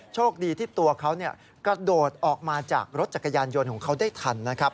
โชคดีที่ตัวเขากระโดดออกมาจากรถจักรยานยนต์ของเขาได้ทันนะครับ